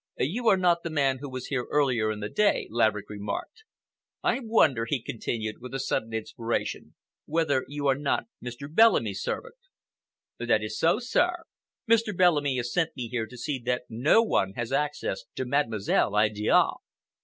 "You are not the man who was here earlier in the day," Laverick remarked. "I wonder," he continued, with a sudden inspiration, "whether you are not Mr. Bellamy's servant?" "That is so, sir. Mr. Bellamy has sent me here to see that no one has access to Mademoiselle Idiale."